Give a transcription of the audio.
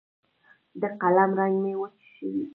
د قلم رنګ مې وچ شوی